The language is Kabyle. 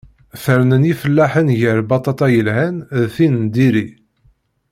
Fernen yifellaḥen gar lbaṭaṭa yelhan d tin n diri.